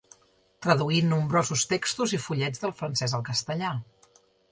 Traduí nombrosos textos i fullets del francès al castellà.